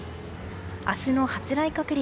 明日の発雷確率